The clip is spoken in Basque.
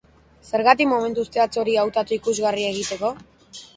Zergatik momentu zehatz hori hautatu ikusgarria egiteko?